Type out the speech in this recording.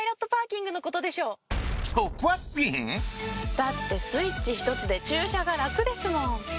だってスイッチひとつで駐車が楽ですもん。